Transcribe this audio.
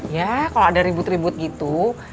ya kalau ada ribut ribut gitu